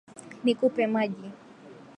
Nikupe maji